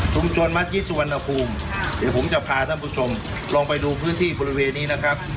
มัธิสุวรรณภูมิเดี๋ยวผมจะพาท่านผู้ชมลองไปดูพื้นที่บริเวณนี้นะครับ